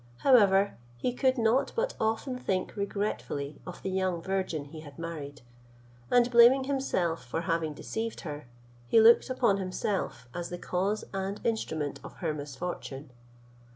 However, he could not but often think regretfully of the young virgin he had married; and blaming himself for having deceived her, he looked upon himself as the cause and instrument of her misfortune.